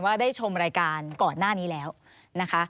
ได้ชมรายการก่อนหน้านี้แล้วนะคะ